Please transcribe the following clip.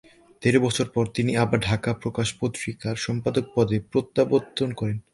দেড় বছর পর তিনি আবার ঢাকা প্রকাশ পত্রিকার সম্পাদক পদে প্রত্যাবর্তন করেন।